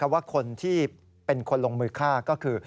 ว่าคนที่เป็นคนลงมือฆ่าก็คือ